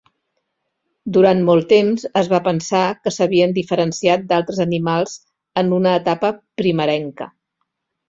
Durant molt temps es va pensar que s'havien diferenciat d'altres animals en una etapa primerenca.